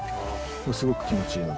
これすごく気持ちいいので。